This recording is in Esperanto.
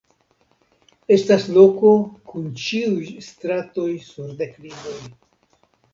Estas loko kun ĉiuj stratoj sur deklivoj.